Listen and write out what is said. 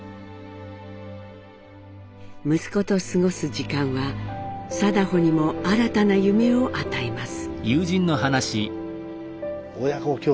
息子と過ごす時間は禎穗にも新たな夢を与えます。